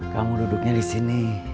kamu duduknya disini